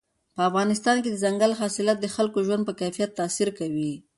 په افغانستان کې دځنګل حاصلات د خلکو د ژوند په کیفیت تاثیر کوي.